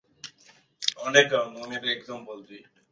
এসব কে করেছে বলতে পারলাম না।